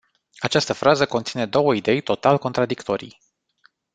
Această frază conține două idei total contradictorii.